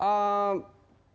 memang kita harus